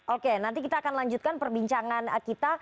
oke nanti kita akan lanjutkan perbincangan kita